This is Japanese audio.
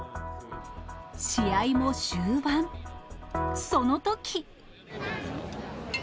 試合も終盤、そのとき。